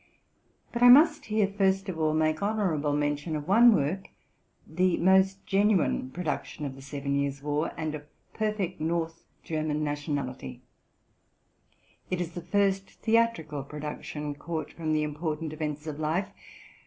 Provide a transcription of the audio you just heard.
But I must here, first of all, make honorable mention of one work, the most genuine production of the Seyen Years' War, and of perfect North German nationality : it is the first theatrical production caught from the important events of life.